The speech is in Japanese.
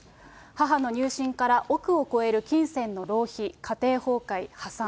母の入信から億を超える金銭の浪費、家庭崩壊、破産。